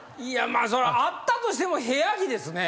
いやあったとしても部屋着です。